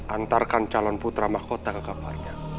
antarkan calon putra mahkota kekapannya